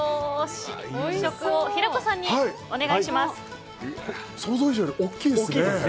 試食は平子さんにお願いします。